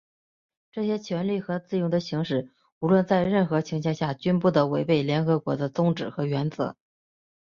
这些权利和自由的行使,无论在任何情形下均不得违背联合国的宗旨和原则。